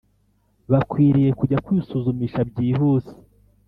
bakwiriye kujya kwisuzumisha byihuse